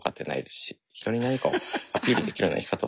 人に何かをアピールできるような生き方をしてない。